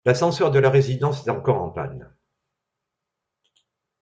L'ascenseur de la résidence est encore en panne.